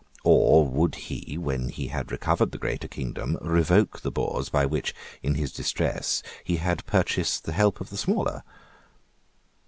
Or would he, when he had recovered the greater kingdom, revoke the boors by which, in his distress, he had purchased the help of the smaller?